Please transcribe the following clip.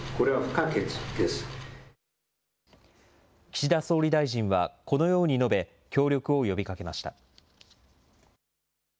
岸田総理大臣はこのように述べ、協力を呼びかけました。